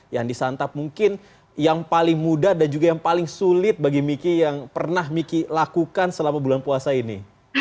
yang disantap mungkin yang paling mudah dan juga yang paling sulit bagi miki yang pernah miki lakukan selama bulan puasa ini